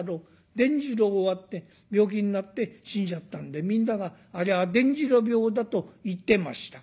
伝次郎は？』って病気になって死んじゃったんでみんなが『ありゃ伝次郎病だ』と言ってました」。